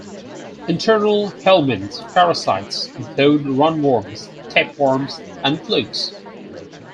Internal helminth parasites include roundworms, tapeworms and flukes.